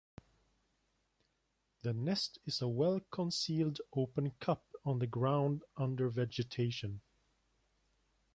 The nest is a well-concealed open cup on the ground under vegetation.